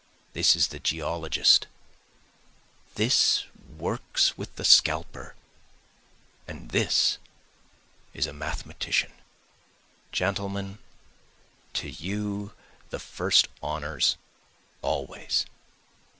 This is the geologist, this works with the scalper, and this is a mathematician. Gentlemen, to you the first honors always!